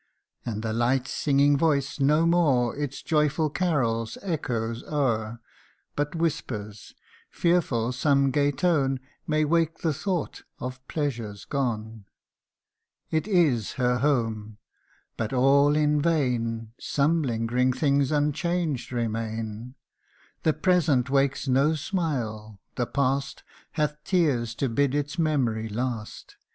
And the light singing voice no more Its joyful carols echoes o'er, But whispers ; fearful some gay tone May wake the thought of pleasures gone. It is her home but all in vain Some lingering things unchanged remain : The present wakes no smile the past Hath tears to bid its memory last.